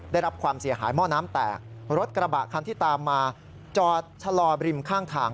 ได้รับความเสียหายม่อน้ำแตก